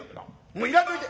もういらんといて。